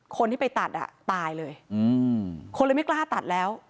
คนที่ไปตัดอ่ะตายเลยคนเลยไม่กล้าตัดแล้ว